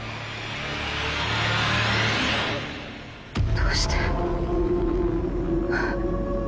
どうして。